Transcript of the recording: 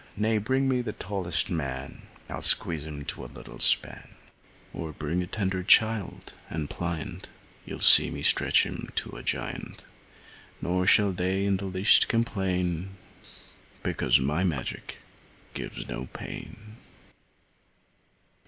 Nay, bring me here the tallest man, I'll squeeze him to a little span; Or bring a tender child, and pliant, You'll see me stretch him to a giant: Nor shall they in the least complain, Because my magic gives no pain.